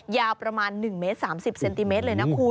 ยาวประมาณ๑เมตร๓๐เซนติเมตรเลยนะคุณ